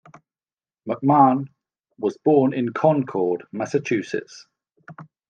McMahon was born in Concord, Massachusetts.